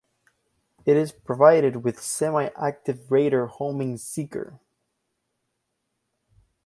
It is provided with semi-active radar homing seeker.